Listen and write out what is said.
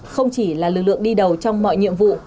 không chỉ là lực lượng đi đầu trong mọi nhiệm vụ